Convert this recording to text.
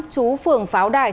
chú phường pháo đài